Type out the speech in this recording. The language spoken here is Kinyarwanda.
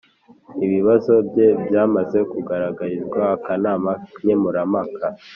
Ibibazo bye byamaze kugaragarizwa akanama nkemurampaka